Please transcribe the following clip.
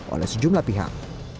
oleh sejumlah pihak